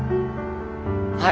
はい。